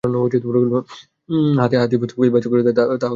হাতী বাস্তবিক কি রকম, তাহা তোমরা কেহই জান না।